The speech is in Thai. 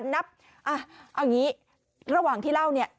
นับเอาอย่างนี้ระหว่างที่เล่าเนี่ย